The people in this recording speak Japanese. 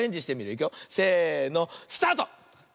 せのスタート！